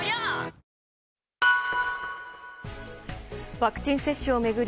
ワクチン接種を巡り